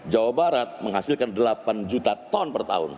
jawa barat menghasilkan delapan juta ton per tahun